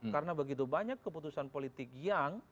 karena begitu banyak keputusan politik yang